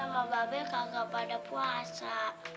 ya sama mbak be kagak pada puasa